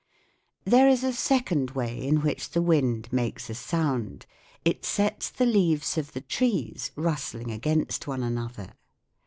There is a second way in which the wind makes a sound : it sets the leaves of the trees rustling against one another.